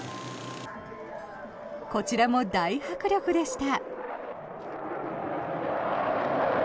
こちらも大迫力でした。